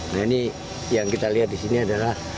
nah ini yang kita lihat di sini adalah